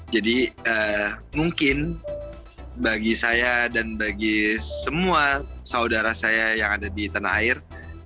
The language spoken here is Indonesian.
jadi mungkin bagi saya dan bagi semua saudara saya yang ada di tanah air